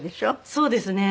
そうですね。